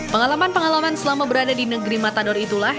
pengalaman pengalaman selama berada di negeri matador itulah